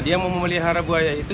dia memelihara buaya itu